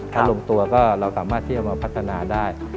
ถ้าลงตัวก็เราสามารถที่จะมาพัฒนาได้